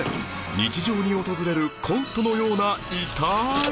日常に訪れるコントのようなイタい瞬間